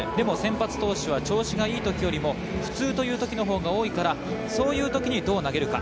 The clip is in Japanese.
でも投手は調子がいいときよりも普通というときのほうがいいから、そういうときにどう投げるか。